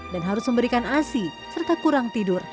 dan harus memberikan asi serta kurang tidur